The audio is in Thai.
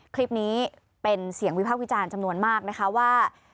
คลิปนี้เป็นเสียงวิพากษ์วิจารณ์จำนวนมากนะคะว่า